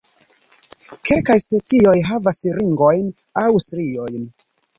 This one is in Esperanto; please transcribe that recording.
Kelkaj specioj havas ringojn aŭ striojn.